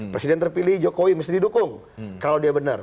presiden terpilih jokowi mesti didukung kalau dia benar